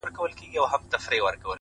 • ستا رګو ته د ننګ ویني نه دي تللي ,